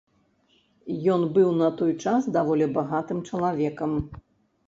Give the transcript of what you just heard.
Ён быў на той час даволі багатым чалавекам.